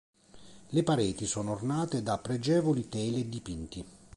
Le pareti sono ornate da pregevoli tele e dipinti.